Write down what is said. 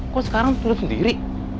kok sekarang tuh lu sendiri